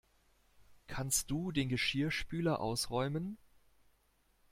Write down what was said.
Kannst du den Geschirrspüler ausräumen?